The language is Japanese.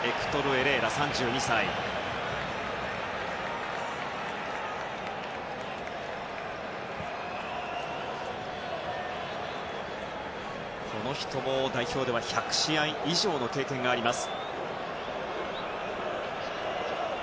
エレーラもも代表では１００試合以上の経験があります。